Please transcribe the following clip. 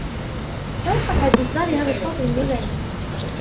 توقف عن اصدار هذا الصوت المزعج